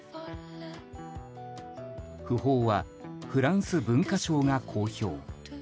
訃報はフランス文化庁が公表。